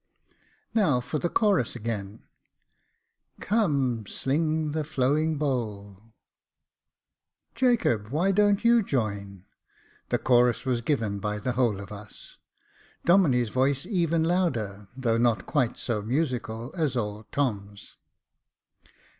" Now for the chorus again —" Come, sling the flowing bowl, &c. J.F. H 114 Jacob Faithful Jacob, why don't you join ?" The chorus was given by the whole of us. Domine's voice even louder, though not quite so musical as old Tom's.